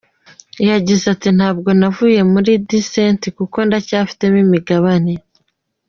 Yagize ati “Ntabwo navuye muri Decent kuko ndacyafitemo imigabane.